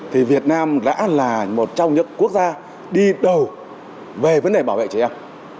thì việt nam đã là một trong những quốc gia đi đầu về vấn đề bảo vệ trẻ em